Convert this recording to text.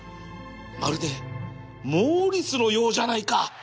まるでモーリスのようじゃないか